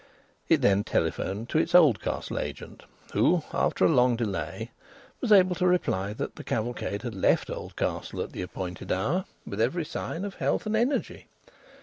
It then telephoned to its Oldcastle agent, who, after a long delay, was able to reply that the cavalcade had left Oldcastle at the appointed hour, with every sign of health and energy.